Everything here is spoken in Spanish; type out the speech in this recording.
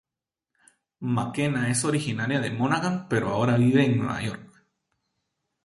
McKenna es originaria de Monaghan pero ahora vive en Nueva York.